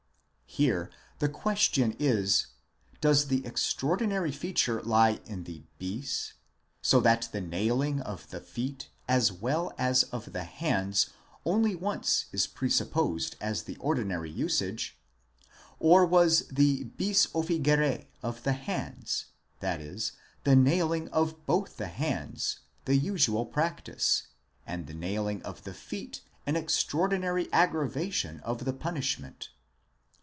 ® Tere the question is: does the extraordinary feature lie in the δῆς, so that the nailing of the feet as well as of the hands only once is presupposed as the ordinary usage ; or was the δὲς offigere of the hands, i.e. the nailing of both the hands, the usual practice, and the nailing of the feet an extraordinary aggravation of the punishment?